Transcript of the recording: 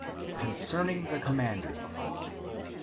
concerning the commander, (Aa.